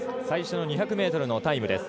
最初の２００ｍのタイム。